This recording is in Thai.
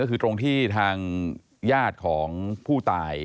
ก็คือตรงที่ทางญาติของผู้ตาย